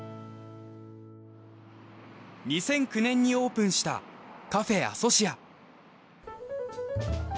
２００９年にオープンした「カフェアソシア」。